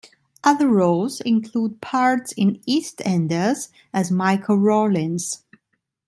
Other roles include parts in "EastEnders" as Michael Rawlins.